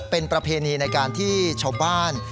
เป็นประเพณีในการที่ชาวบ้าน